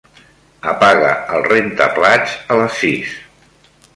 Apaga el rentaplats a les sis.